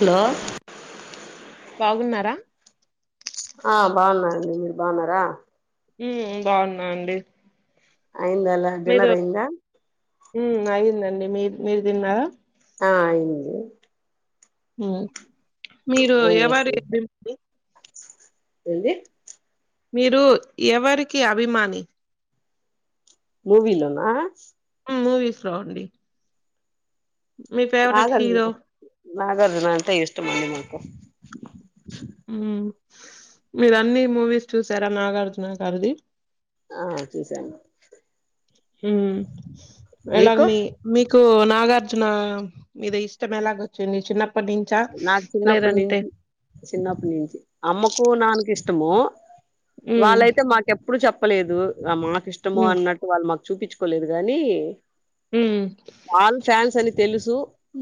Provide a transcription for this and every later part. Hollow బాగున్నారా ఆ బాన్నాండి మీరు బాన్నారా ఉమ్ బాఉన్నా అండి అయిందా అలా మీ డిన్నర్ దోట్ అయిందా ఉమ్ అయిందండి మీ మీరు దిన్నారా ఆ ఐది ఉంగ మీరు ఎవరి దిమ్ ది ఏంది మీరు ఎవరికి అభిమాని మూవీ లో నా మూవీస్ లో అండి మీ ఫేవరెట్ నాగారుజున్ హీరో నాగార్జున అంటే ఇష్టమండి మాకు హ్మ్ మీరు అన్నీ మూవీస్ చూసారా నాగార్జున గారిది ఆ చూసాను ఉమ్ వేలాగ్ మీకు మీ మీకు నా నాగార్జున మీద ఇష్టం ఎలాగొచ్చింది చిన్న ప్ నా చిన్నప్ నించి చిన్నప్ నించి అమ్మకు నాన్ కు ఇష్టము ఉమ్ వాల్ లయితే మాకెప్పుడు చెప్పలేదు మాకు ఇష్టము ఉమ్ అన్నట్టు వాళ్ళు మాక్ చూపిచుకోలేదు గానీ ఉమ్ ఆల్ ఫ్యాన్స్ అని తెలుసు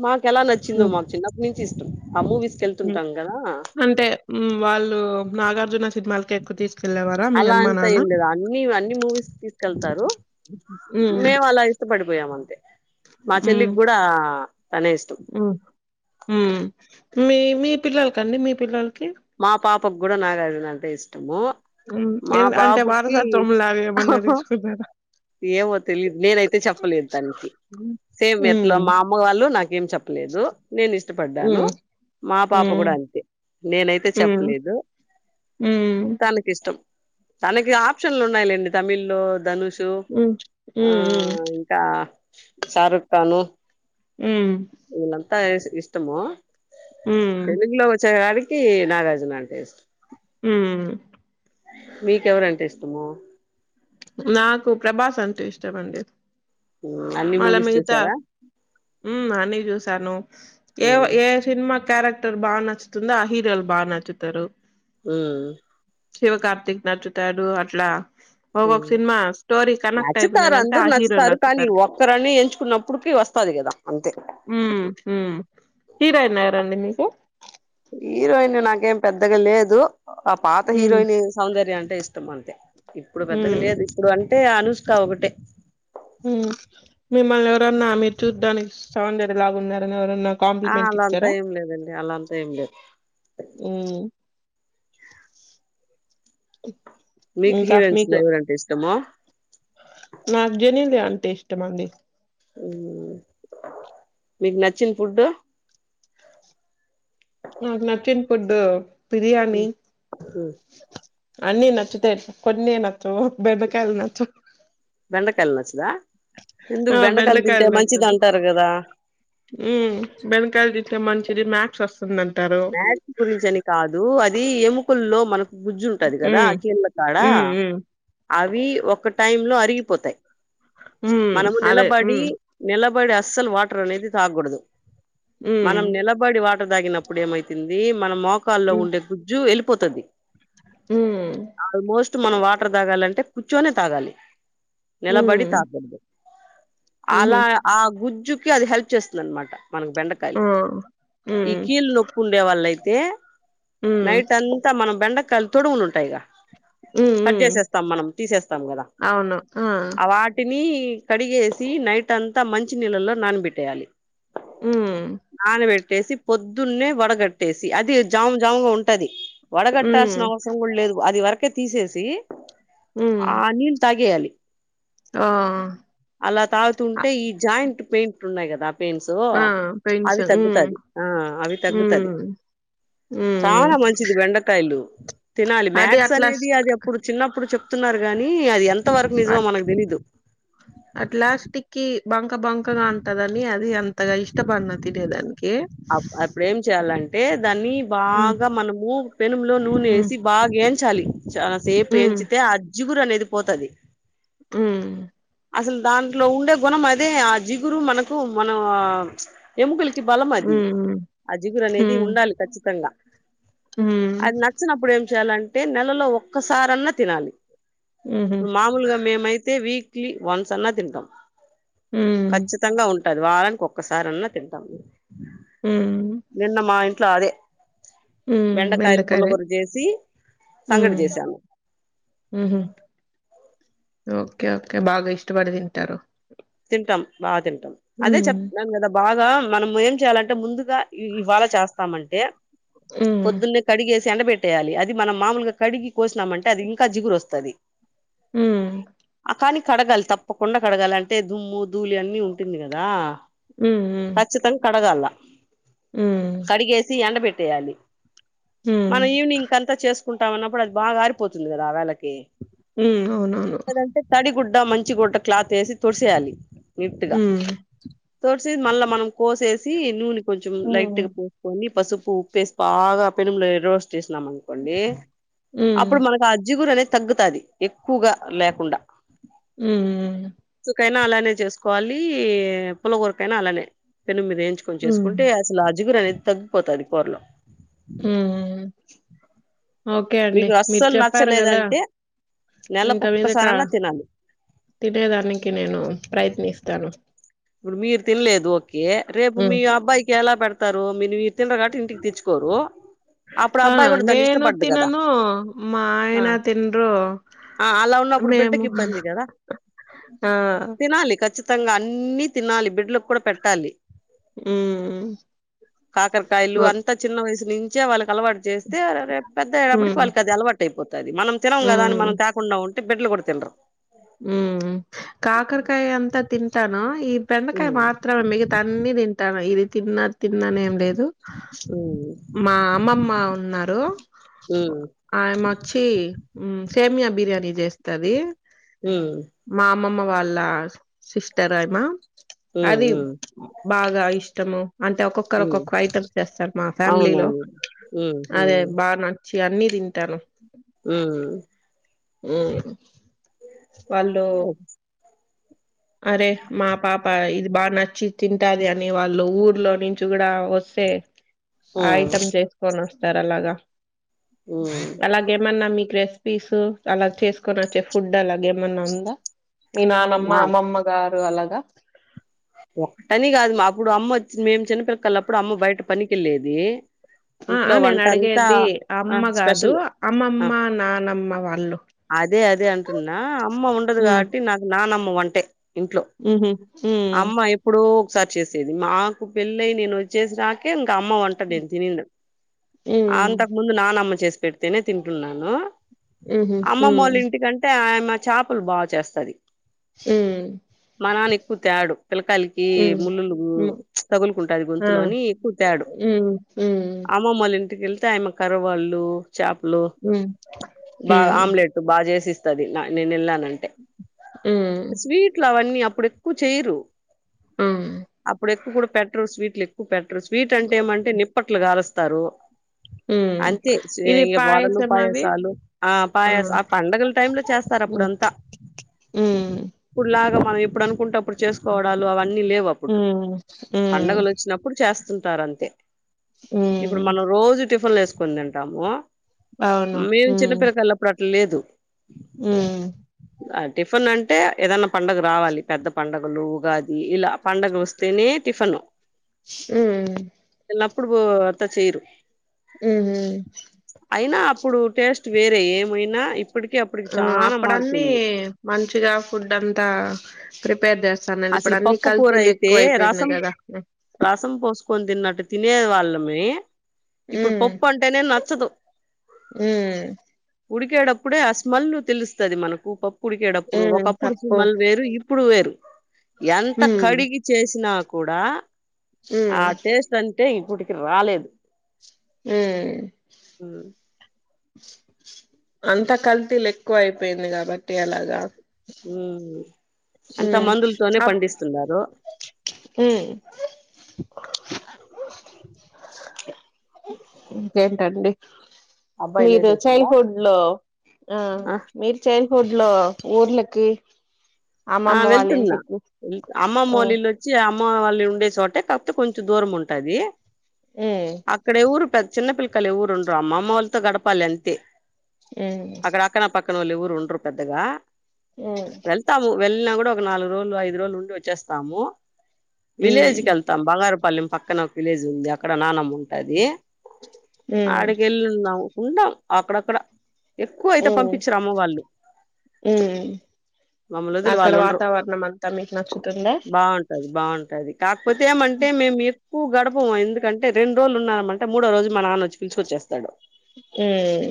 మాక్ కేలా నచ్చిందో మాక్ చిన్నప్ నించి ఇష్టం ఆ మూవీస్ హ్మ్ అంటే ఉమ్ వాళ్ళు నాగార్జున సిన్ మాల్ కే ఎక్కు తీస్ అలా అంత ఏం లేద్ అన్ని వన్నీ మూవీస్ తీస్ కెల్ తారు మేమ్ అలా ఇష్టపడిపోయామంతే ఉమ్ తనే ఇష్టం ఓ హ్మ్మ్ మీ మీ పిల్లల్ కండి మీ పిల్లల్ కీ పాపం గుడా నాగార్జున అంటే ఇష్టము ఉమ్ మా ఎందంటే బాబుకి వారసత్వంలాగా ఏమన్నా దీస్ కున్నరా ఏమో తెలిద్ నేనైతే చెప్పలేన్ తన్ కీ సేమ్ ఎట్లా హ్మ్. మా అమ్మ వాళ్ళు నాకేం చెప్ ప్ లేదు నేన్ ఇష్టపడ్డాను హ్మ్. మా పాప హ్మ్. గుడా అంతే నేన్ కీ చప్ హ్మ్. లేదు హ్మ్. తన్ కిష్టం తనకి ఆప్ షన్ లున్నాయిలెండి తమిళ్ లో ధనుష్ తు హ్మ్. హ్మ్. ఆ హ్మ్. హ్మ్. ఇంకా షారుఖాను హ్మ్. ఇలమ్ తాయిష్ ఇష్టము హ్మ్. తెలుగులో వచ్చేకాడికి నాగార్జున అంటే ఇష్టం ఉమ్మ్ మీకెవరంటే ఇష్టము నాకు ప్రభాస్ అంటే ఇష్టమండి అన్ని మూవీస్ మళమితా చూసారా ఉమ్ అని క్ జూస్ టను ఏ వో ఏ సిన్ మా క్యారక్ టర్ బా నచ్చుతుందో ఆ హీరోలు బా నచ్చుతరు ఉమ్ మ్ శివ కార్తీక్ నచ్చుతాడు అట్లా ఒక్కొక్క మ్ సినిమా స్టోరీ కనెక్ట్ నచ్చుతారు అయిపోయినానంటే ఆ అందరూ హీరో నచ్చుతారు కానీ ఒక్కరని ఎంచుకున్నప్పుడికి వాస్ పది గదా అంతే మ్ హ్మ్ హీరోయిన్ ఏరండి మీకు హీరోయిన్ నాకేం పెద్దగా లేదు ఆ పాత ఉమ్ హీరోయిని సౌందర్య అంటే ఇష్టం అంతే ఇప్పుడు పెద్దగా ఉమ్ లేదు ఇప్పుడు అంటే అనుష్కా ఒకటే ఉమ్ మీమల్ ఎవరన్న మీర్ చూడానికి సౌదర్య లాగ ఉన్నారని ఎవరన్న కాంప్లి ఆ ట్ మెంట్ అలా అంతా ఇచ్చర ఏం లేదండి అలా అంతా ఏం లేదు ఉమ్ మీకు ఇంకా ఫ్ హీరోయిన్స్ లో మీకు ఎవరంటే ఇష్టము నాక్ జెనిలియ అన్ టేష్టమండి ఉమ్ మీక్ నచ్చిన్ ఫుడ్డు నాక్ నచ్చిన్ ఫుడ్డు పిర్ యని అన్నీ నచ్చుతాయ్ కొన్నే నచ్చవు బెండకాయల్ నచ్చవ్ బెండకాయల్ నచ్చదా ఎందుకు ఆ తింటే బెండకాయలు మంచిది నచ్చదు అంటారు కదా ఉ బెండకాయల్ మంచిది మ్యాక్స్ ఓస్ మ్యాక్స్ గురించి అని కాదు అది ఎముకల్లో మనకు గుజ్జు ఉంటది కదా ఉమ్ కీళ్ళ కాడ హ్మ్ హ్మ్. అవి ఒక టైమ్ లో అరిగిపోతాయి హ్మ్. మనము అదే. నిలబడి హ్మ్. నిలబడి అస్సలు వాటర్ అనేది తాగ్గూడదు హ్మ్. మనం నిలబడి వా వాటర్ దాగినప్పుడు ఏమైతంది మన మోకాల్లో ఉండే గుజ్జు వెళ్ళిపోతది మ్ ఆల్మోస్ట్ మనం వాటర్ తాగాలంటే కూర్చొనే తాగాలి నిలబడి హ్మ్. తా హుహు. అలా ఆ గుజ్జుకి అది హెల్ప్ చేస్తుంది అనమాట మనకు బెండకాయలు ఆ! ఈ హ్మ్. కీళ్ల నొప్పు ఉండే వాళ్ళైతే హ్మ్. నైట్ అంతా మనం బెండకాయలు తొడుములు ఉంటాయిగా హ్మ్. కట్ హ్మ్. చేసేస్తాం మనం తీసేస్తాం కదా అవును. ఆ! అవాట్ నీ కడిగేసి నైట్ అంతా మంచి నీళ్లలో నానబెట్టేయాలి హ్మ్. నానబెట్ ట్టేసి పొద్దున్నే వడగట్టేసి అది జాము జాముగా ఉంటది వడగట్టాల్సిన హ్మ్. అవసరం కూడా లేదు అది వరకే తీసేసి హ్మ్. ఆ నీళ్ళు తాగేయాలి ఆ! అలా అ తాగుతుంటే ఈ జాయింట్ పెయింట్ ఉన్నాయి కదా పెయిన్సో ఆ! అవి పెన్షన్. హ్మ్. తగ్గుతాది ఆ అవి తగ్గుతది హ్మ్. హ్మ్. చానా మంచిది బెండకాయలు తినాలి అది మ్యాక్స్ అట్లా స్ అనేది అది అప్పుడు చిన్నప్పుడు చె చెప్తున్నారు గాని అది ఎంత వరకు నిజమో అట్ మనకు తెలీదు అట్లా స్టిక్కీ బంక బంకగా ఉంటదని అది అం అంతగ ఇష్టపడను తినేదాని అప్ అప్పుడు ఏం చెయ్యాలంటే దాన్ని హ్మ్. బాగా మనము పెనం లో నూనె హ్మ్. వేసి బాగ యించాలి చాలా సేపు హ్మ్. వేయించితే ఆ జ్జిగురు అనేది పోతది మ్ అసలు దాంట్లో ఉండే గుణం అదే ఆ జిగురు మనకు మనం ఎముకలు బలం అది హ్మ్. అ జిగురు అనేది హ్మ్. ఉండాలి ఖచ్చితంగా హ్మ్. హ్మ్. అది నచ్చనప్పుడు ఎమ్ చేయలంటే నెలలో ఒక్కసారన్నా తినాలి హుహు. ఇప్పుడు మామూలుగా మేమైతే వీక్ వీక్లీ వన్స్ అన్నా తింటాం హ్మ్. కఖచ్చితంగా ఉ ప్రతీ వారానికి ఒక్కసారి అన్నా తింటాం హ్మ్. నిన్న మా ఇంట్లో అదే హ్మ్. బెండకాయలు బెండకాయ. పుల్లగొర చేసి సంగటి చేసాము మ్ హూ ఓకే ఓకే బాగా ఇష్టపడి తింటారు తింటాం బాగా తింటాం అదే హ్మ్. చెప్తున్నాను కదా బాగా మనం ఏం చేయాలంటే ముందు రా ఇ-ఇవాళ చేస్తామంటే హ్మ్. పొద్దున్నే కడిగే ఎండ పెట్టేయాలి అది మనం మామూలుగా కడిగి కోసినామంటే అది ఇంకా జిగురు వస్తాది మ్ కానీ కడగాలి తప్పకుండా కడగాలి అంటే దుమ్ము ధూలి అన్ని ఉంటుంది కదా హ్మ్. హ్మ్. ఖచ్చితం కడగళ్ల హ్మ్. కడిగేసి ఎండ పెట్టేయాలి హ్మ్. మనం ఈవినింగ్ అంతా చేస్ కుంటాన్నప్పుడు అది బాగారిపోతుంది కాద ఆళ్లకి హ్మ్. అవునవును. లేదంటే తడి గుడ్ డ్డా మంచి గుడ్డ క్లాతేసి తుడిసేయలి నిట్ గా హ్మ్. తుడ్ సీ మళ్ళా మనం కోసేసి నూనె కొంచెం హ్మ్. లైట్గా పోసుకొని పసుప్ ఉప్పు ఉప్పేసి బాగా పెనంలో రోస్ట్ చేసినామనుకోండి హ్మ్. అపుడు మనకు ఆ జిగురనేది తగ్గుతాది ఎక్కువగా లేకుండా మ్ మ్ లైనా అలానే చేసుకోవాలి పులగూరకైనా అలానే పెనం మీద ఎంచుకొని చేసుకుంటే హ్మ్. అసలాజిగురనేది తగ్గిపోతది కూరలో ఉమ్ ఓకే అండి మీకు మీరు అస్సలు చెప్పారు గదా నచ్చలేదంటే నెలకు ఇంక మీదట ఒక్కసారన్నా తినాలి తినేదానికి నేను ప్రయత్నిస్తాను ఇపుడు మీరు తినలేదు ఓకే రేపు మీ హ్మ్. అబ్బాయికెలా పేడ్తారు మీరివి తిండ్రు కావట్టి ఇంటికి తెచ్చుకోరు అప్పుడు ఆ అబ్బాయి కూడా దాన్ని నేను ఇష్టపడ్డు కదా తినను మా ఆ ఆయన తిన్రు ఆ అలా ఉన్నప్పుడు బిడ్డకి ఇబ్బంది గదా ఆ! తినాలి ఖచ్చి తంగా అన్ని తినాలి బిడ్ల కూడ పెట్టాలి హ్మ్. కాకరకాయలు ఓక్ అంత చిన్న వయసు నించే వాళ్ళకలవాటు చేస్తే రేప్ పెద్దయ్యేటప్పటికి హ్మ్. వాళ్ళకది అలవాటైపో తది మనం తినం గదాని హ్మ్. మనం తేకుండా ఉంటే బిడ్లు కూడా తినరు మ్మ్ కాకరకాయంత తింటాను ఈ బెండకాయ ఉమ్ మాత్రమే మిగతాన్ని దింటాను ఇది తిన్ అది తిన్నని ఏం లేదు ఉమ్ మా అమ్మమ్మ ఉన్నారు ఉమ్ ఆయమోచ్చి మ్ సేమియా బిర్యానీ చేస్తది హుమ్ అమ్మమ్మ వాళ్ళ సిస్టర్ అయిమా ఉమ్ అది ఉమ్ బాగా ఇష్టము అంటే ఒక్కొక్కరు ఉమ్ ఒక్కొక్క ఐటమ్స్ చేస్తారు మా ఫ్యామిలీలో అవునవును ఉమ్ అదే ఉమ్ బాన చీ అన్నీ తింటాను ఉమ్ వాళ్ళు అరే మా పాప ఇది బానచ్చి తింటాదని వాళ్ళు ఊర్లో నుంచి గూడ వొస్తే ఉమ్ ఐటెమ్ జేస్కొనొస్తారలాగా ఉమ్ అలాగేమన్నా మీక్ రెస్ పిసు అలా చేస్కొని వచ్చే ఫుడ్ అలాగేమన్న ఉందా మీ నానమ్మ మా అమ్మమ్మ గా రు అలగా ఒక్టని గాదు మాపుడు అమ్మోచ్చి మేము చిన్నపిల్లకళ్ళప్పుడు అమ్మ బయట పనికెళ్లేది ఆ ఆ నేనడిగేది ఆ అమ్మ గాదు స్పెషల్ ఆ అమ్మమ్మ నానమ్మ వాళ్ళు అదే అదే అంటున్నా అమ్మ ఉండదు ఉమ్ కావట్టి నాకు నానమ్మ వంటే ఉహు ఉ మ్ ఎపుడో ఒకసారి చేసేది మాకు పెళ్ళయి నేనొచ్చేసినాకే అమ్మ వంట నేను తినిండ్ ఉమ్ అంతకముందు నానమ్మ చేస్ పెడ్తేనే తింటున్నాను ఉహు అమ్మమ్మోళ్ల ఇంటికంటే మా చేపలు బాచేస్తది మ్మ్ కు తాడు పిల్లకాయలకి ముళ్లులు ఉమ్ తగులుకుంటాది ఆ గొంతులో అని ఎక్కువ తేడు ఉమ్ ఉమ్ అమ్మమ్మోలింటికెల్ త్యామె కరువాళ్ళు చాపలు ఉమ్ బా ఉమ్ ఆమ్లెట్ బా జెసిస్ తది నేను వెళ్ళానంటే ఉమ్ స్వీట్లు అవన్నీ అపుడెక్కువ చేయరు ఉమ్ అప్పుడెక్కువ కూడా పెట్టరు స్వీట్లు ఎక్కువ పెట్టరు స్వీట్ అంటే ఏమంటే నిప్పట్లు కాలుస్త్ తరు ఉం అంతే చె వడలు పాయసాలు ఆ పాయస హ్మ్ ఆ పండగల టైమ్ లో చేస్తారు అప్పుడు అంతా హ్మ్ ఇప్పుడులాగా మనం ఎప్పుడు అనుకుంటేప్పుడు చేసుకోవడాలు అవన్నీ లేవు అప్పుడు హ్మ్ హ్మ్ హ్మ్ పండగలు వచ్చినప్పుడు చేస్తుంటారు అంతే ఉ టిఫన్ వేసుకొని తింటాము అవును మేము చిన్నపిల్కిల్లప్పుడు అట్లా లేదు ఉ ఆ, టిఫిన్ అంటే ఏదన్నా పండుగ రావాలి పెద్ద పండగ లు ఉగాది ఇలా పండగ వస్తేనే టిఫను ఉం లప్పుడు బో అంత చేయ్యరు ఉ హు అయినా అప్పుడు టేస్ట్ వేరే ఏమైనా ఇప్పటికి అప్పటికి ఆ చానా అప్పుడన్నీ మార్పుంది. మంచిగా ఫుడ్ అంతా ప్రిపేర్ చేస్ అసలు పప్పు కూరయితే రసం కదా రసం పోసుకొని తిన్నట్ టు తినే వాళ్ళమీ ఇప్పుడు హ్మ్ పప్పు అంటేనే నచ్చదు హ్మ్ ఉడికేటప్పుడే ఆ స్మెల్ తెలుస్తది మనకు పప్ కుడికేటప్పుడు హ్మ్ ఒకప్పుడు తప్పు సుమల్ వేరు ఇప్పుడు వేరు ఎంత హ్మ్ కడిగి చేసినా కూడా ఆ హ్మ్ టేస్ట్ అంటే ఇప్పటికీ రాలేదు ఉం అంత కల్తీలు ఎక్కువ అయిపోయింది కాబట్టి అలాగా ఉ అంతా హ్మ్ మందులతోనే పండిస్తున్నారు ఉం ఇంకెంటండి అబ్బాయి మీరు చైల్డ్ లేసేసిండా హుడ్ లో ఆ మీరు చైల్డ్ ఫుడ్లో ఊర్లకి ఆ అమ్మమ్మ వాళ్ళ వెళ్తున్నా ఇంటికి ఆ అమ్మమ్మొల్ల ఇల్లు వచ్చి అమ్ మా వాళ్ళు ఉండే చోటే కాపోతే కొంచెం దూరం ఉంటది అక్కడ ఎవరు పెద్ చిన్న పిల్లకాయలు ఎవరు ఉండ్రరు అమ్మమ్మ వాళ్ళతో గడపాలి అంతే ఉం పక్కనోళ్లు ఎవరు ఉండ్రు పెద్దగా ఉం వెళ్ళిన కూడా ఒక నాలుగు రోజులు ఐదు రోజులు ఉండి వచ్చేస్తాము విలేజ్ ఉమ్ కెళ్తాం బంగారు పళ్లెం పక్కన ఒక విలేజ్ ఉంటది అక్కడ నానమ్మ ఉంటది ఉమ్ ఆడికి వెళ్ళిన్నాం ఉండామ్ అక్కడక్కడ ఎక్కువ అయితే ఉమ్ పంపించరు అమ్మ వాళ్ళు ఉమ్ మమ్మల్ని వదిలి అక్కడ వాళ్ళు ఉండరు వాతావరణం అంతా మీకు నచ్చుతుందా బాగుంటది కాకపోతే ఏమంటే మేము ఎక్కువ గడపం ఎందుకంటే రెండు రోజులు ఉన్న మంటే మూడో రోజు మా నాన్న వొచ్చి పీల్చుకొచ్చేస్తాడు ఉం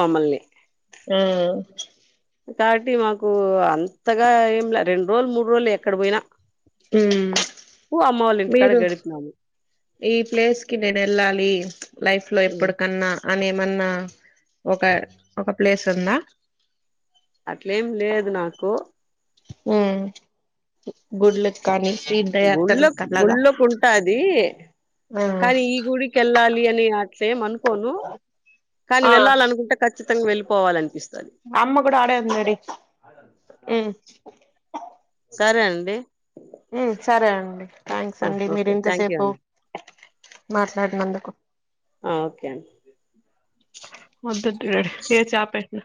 మమల్ని ఉ కాబట్టి మాకు అంతగా ఏంల రెండు రోజులు మూడు రోజులు ఎక్కడ పోయినా ఊ మ్ ఎక్కువ అమ్మ వాళ్ళ ఇంటికాడ మీరు గడిపినాము ఈ ప్లేస్ కి నేను వెళ్ళాలి లైఫ్ లో హ్మ్. ఎప్పటికన్నా అనేమన్నా ఒక ఒక ప్లేస్ ఉన్నా అట్లేం లేదు నాకు ఉమ్ గుడ్ల కానీ గుళ్ళ తీర్థయాత్తలూకలాగా గుళ్ళకుంటాది కానీ ఈ గుడికి ఎల్లాలి అట్లెం అనుకోను కాలి ఆ వెళ్ళాలనుకుంటే ఖచ్చితంగా వెళ్ళిపోవాలనిపిస్తది మ్ సరే అండి మ్ సరే అండి. థ్యాంక్స్ ఆ! అండి మీరు ఓకే థ్యాంక్ యూ ఇంతసేపు అండి మాట్లాడినందుకు. ఆ! ఓకే అండి వత్తుండ్రి ఏ చాప ఎట్టన